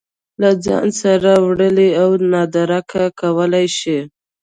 له ځان سره وړلی او نادرکه کولی شي